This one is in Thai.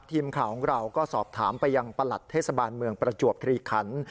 ทีมข่าวของเราก็สอบถามไปยังประหลัดเทศบาลเมืองประจวบคลีคัน